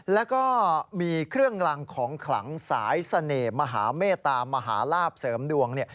แล้วก็มีเครื่องรังของขลังสายเสน่ห์มหาเมตามหาลาบเสริมดวง